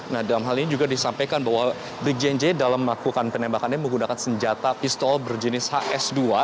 nah dalam hal ini juga disampaikan bahwa brigjen j dalam melakukan penembakannya menggunakan senjata pistol berjenis hs dua